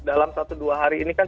dalam satu dua hari ini kan